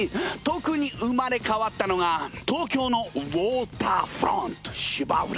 特に生まれ変わったのが東京のウォーターフロント芝浦！